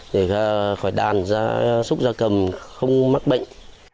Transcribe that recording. để khỏi đàn gia súc gia cầm không mắc bệnh